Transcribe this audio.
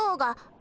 あ！